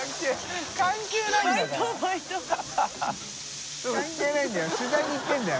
関係ないんだよ